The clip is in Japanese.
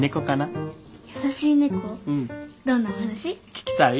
聞きたい？